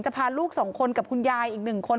จะพาลูกสองคนกับคนยายอีกหนึ่งคน